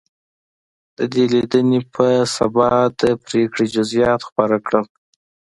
د دې لیدنې په سبا د پرېکړې جزییات خپاره کړل.